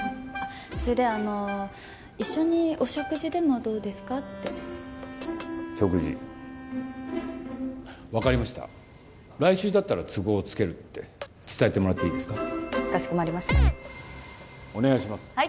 あっそれであの一緒にお食事でもどうですかって食事分かりました来週だったら都合つけるって伝えてもらっていいですかかしこまりましたお願いします